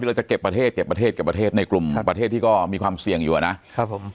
ที่เราจะเก็บประเทศในกลุ่มประเทศที่ก็มีความเสี่ยงอยู่อะนะ